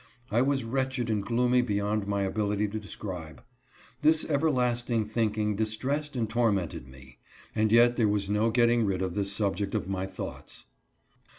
I was wretched and gloomy beyond my ability to describe. This everlasting thinking distressed and tormented me ; and yet there was no getting rid of this subject of my thoughts.